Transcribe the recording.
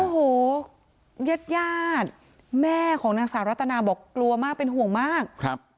โอ้โหญาติญาติแม่ของนางสาวรัตนาบอกกลัวมากเป็นห่วงมากครับ